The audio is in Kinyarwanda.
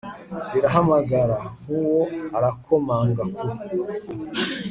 riraguhamagara, ng'uwo arakomanga ku